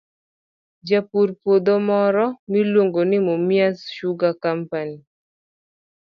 Japur puodho moro miluongo ni Mumias Sugar Company,